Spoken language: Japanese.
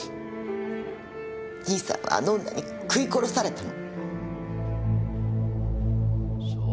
兄さんはあの女に食い殺されたの。